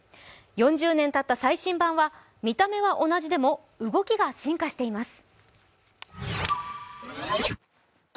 ４０年たった最新版は見た目は同じでも動きが進化しています。